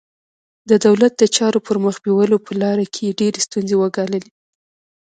د دولت د چارو پر مخ بیولو په لاره کې یې ډېرې ستونزې وګاللې.